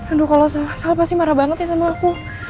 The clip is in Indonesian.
aduh kalo sal pasti marah banget ya sama aku